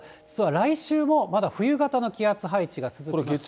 実は来週もまだ冬型の気圧配置が続きます。